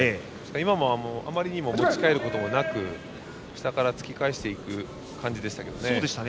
今も、あまり持ち替えることなく下から突き返していく感じでしたけどね。